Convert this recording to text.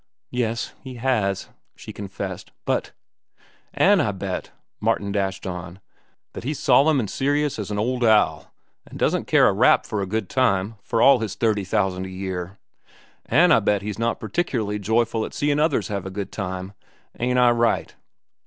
"Yes, he has," she confessed; "but—" "An' I bet," Martin dashed on, "that he's solemn an' serious as an old owl, an' doesn't care a rap for a good time, for all his thirty thousand a year. An' I'll bet he's not particularly joyful at seein' others have a good time. Ain't I right?"